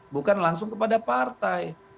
bukan langsung kepada partai